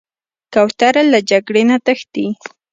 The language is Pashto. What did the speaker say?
کوتره له جګړې نه تښتي.